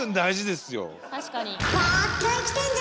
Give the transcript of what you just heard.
確かに。